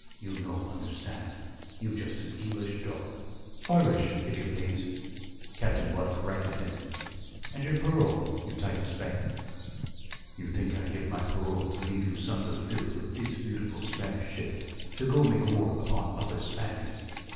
You no understand. You just an English dog." "Irish, if you please," Captain Blood corrected him. "And your parole, you tyke of Spain?" "You think I give my parole to leave you sons of filth with this beautiful Spanish ship, to go make war upon other Spaniards!